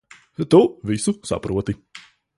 Tu visu saproti.